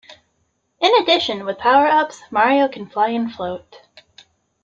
In addition, with power-ups, Mario can fly and float.